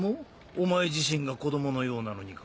お前自身が子供のようなのにか？